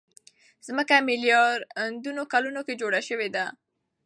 ځمکه ميلياردونو کلونو کې جوړه شوې.